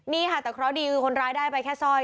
นี่ค่ะแต่เคราะห์ดีคือคนร้ายได้ไปแค่สร้อย